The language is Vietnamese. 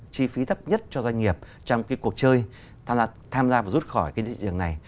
chi phí thấp nhất cho doanh nghiệp trong cái cuộc chơi tham gia tham gia và rút khỏi cái thị trường này